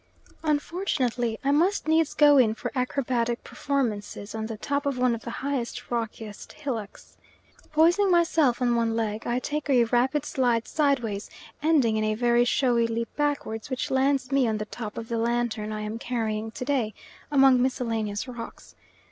Unfortunately, I must needs go in for acrobatic performances on the top of one of the highest, rockiest hillocks. Poising myself on one leg I take a rapid slide sideways, ending in a very showy leap backwards which lands me on the top of the lantern I am carrying to day, among miscellaneous rocks.